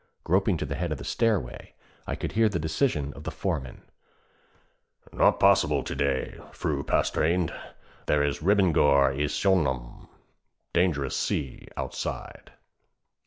Groping to the head of the stairway, I could hear the decision of the foreman: 'Not possible to day, Fru Pastorinde. There is ribbingur i sjónum (dangerous sea) outside.'